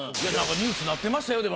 ニュースになってましたよ。